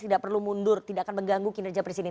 tidak perlu mundur tidak akan mengganggu kinerja presiden